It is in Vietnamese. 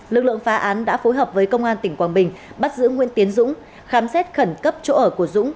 lực lượng phá án đã phối hợp với công an tỉnh quảng bình bắt giữ nguyễn tiến dũng khám xét khẩn cấp chỗ ở của dũng